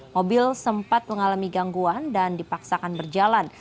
mobil sempat mengalami gangguan dan dipaksakan berjalan